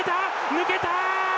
抜けた！